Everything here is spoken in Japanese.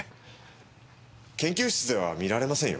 研究室では見られませんよ。